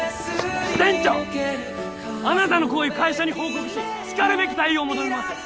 支店長あなたの行為を会社に報告ししかるべき対応を求めます